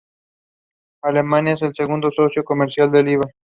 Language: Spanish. Alemania es el segundo socio comercial de Libia.